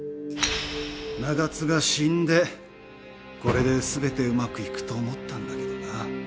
長津が死んでこれで全てうまくいくと思ったんだけどな。